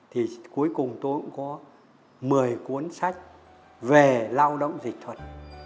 thì cuối cùng tôi cũng có một mươi cuốn sách về lao động dịch thuật